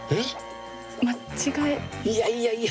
いやいやいや。